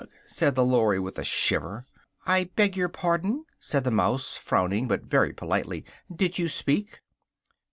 said the Lory with a shiver. "I beg your pardon?" said the mouse, frowning, but very politely, "did you speak?"